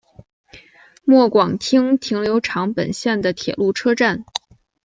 末广町停留场本线的铁路车站。